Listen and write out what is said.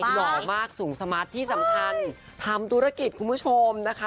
หล่อมากสูงสมาร์ทที่สำคัญทำธุรกิจคุณผู้ชมนะคะ